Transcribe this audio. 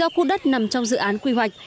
do khu đất nằm trong dự án quy hoạch